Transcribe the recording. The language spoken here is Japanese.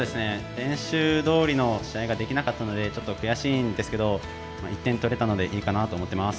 練習どおりの試合ができなかったのでちょっと悔しいんですけど１点取れたのでいいかなと思ってます。